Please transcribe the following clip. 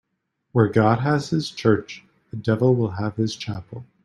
Where God has his church, the devil will have his chapel.